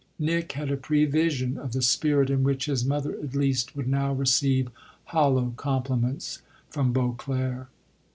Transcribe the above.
Nick had a prevision of the spirit in which his mother at least would now receive hollow compliments from Beauclere.